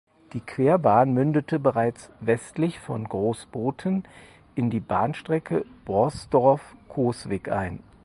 Die Querbahn mündete bereits westlich von Großbothen in die Bahnstrecke Borsdorf–Coswig ein.